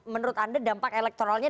menurut anda dampak elektoralnya